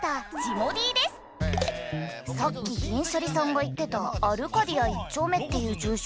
さっき銀シャリさんが言ってたアルカディア１丁目っていう住所